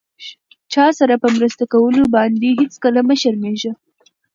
چاسره په مرسته کولو باندې هيڅکله مه شرميږم!